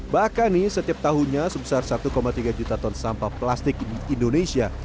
bahkan nih setiap tahunnya sebesar satu tiga juta ton sampah plastik di indonesia